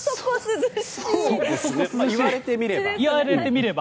言われてみれば。